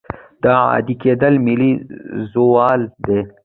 دا عادي کېدل ملي زوال دی.